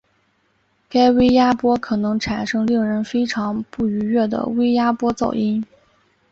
该微压波可能产生令人非常不愉悦的微压波噪音。